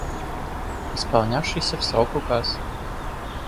Исполнявшийся в срок указ